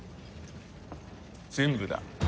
全部だ。